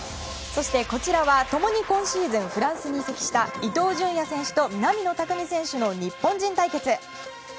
そして、こちらは共に今シーズンフランスに移籍した伊東純也選手と南野拓実選手の日本人対決。